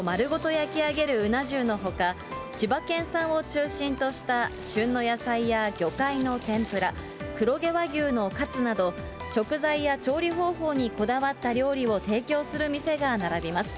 焼き上げるうな重のほか、千葉県産を中心とした、旬の野菜や魚介のてんぷら、黒毛和牛のカツなど、食材や調理方法にこだわった料理を提供する店が並びます。